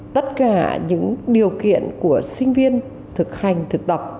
tất cả những điều kiện của sinh viên thực hành thực tập